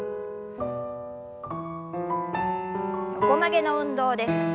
横曲げの運動です。